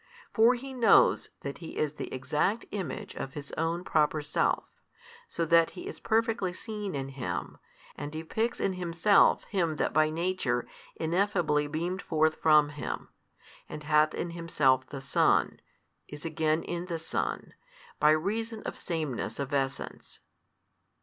For He knows that He is the Exact Image of His own Proper Self, so that He is perfectly seen in Him, and depicts in Himself Him That by Nature Ineffably beamed forth from Him, and hath in Himself the Son, is again in the Son, by reason of Sameness of Essence.